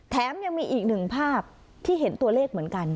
แถมยังมีอีกหนึ่งภาพที่เห็นตัวเลขเหมือนกัน